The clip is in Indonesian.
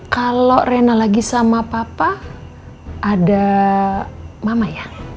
kalau rena lagi sama papa ada mama ya